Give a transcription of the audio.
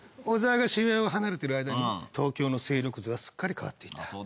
小沢が渋谷を離れてる間に東京の勢力図はすっかり変わっていた。